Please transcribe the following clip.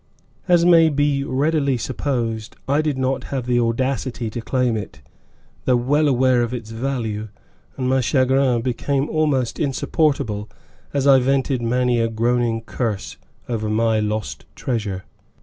As may be readily supposed, I did not have the audacity to claim it, though well aware of its value, and my chagrin became almost insupportable as I vented many a groaning curse over my lost treasure.